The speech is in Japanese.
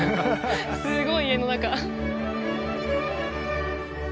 すごい家の中。